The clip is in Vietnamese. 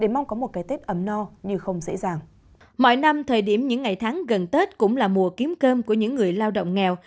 mỗi năm thời điểm những ngày tháng gần tết cũng là mùa kiếm cơm của những người lao động nghèo